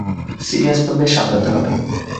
সিরিয়াসভাবে সামলাতে হবে।